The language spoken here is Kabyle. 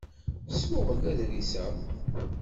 Ssuɣel aḍṛis-a.